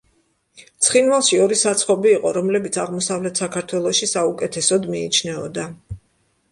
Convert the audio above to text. ცხინვალში ორი საცხობი იყო, რომლებიც აღმოსავლეთ საქართველოში საუკეთესოდ მიიჩნეოდა.